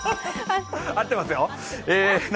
合ってますよ。